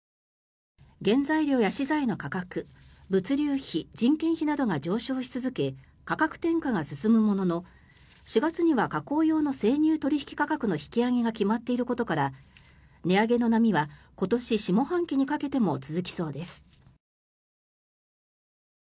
原材料や資材の価格物流費、人件費などが上昇し続け価格転嫁が進むものの４月には加工用の生乳取引価格の引き上げが決まっていることから値上げの波は今年下半期にかけても続きそうです。